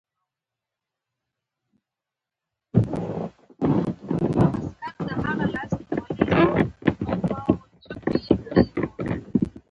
د مېلمنو د لامبېدلو لپاره و.